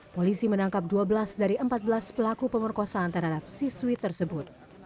polisi menangkap dua belas dari empat belas pelaku pemerkosaan terhadap siswi tersebut